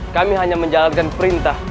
kami hanya menjalankan perintah